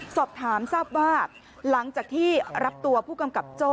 สอบถามทราบว่าหลังจากที่รับตัวผู้กำกับโจ้